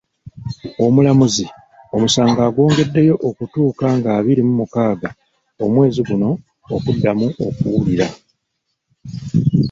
Omulamuzi omusango agwongeddeyo okutuuka nga abiri mu mukaaga omwezi guno okuddamu okuwulirwa.